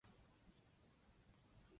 属内蒙古自治区伊克昭盟。